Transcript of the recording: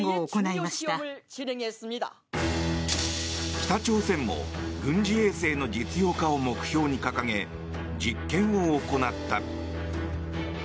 北朝鮮も軍事衛星の実用化を目標に掲げ実験を行った。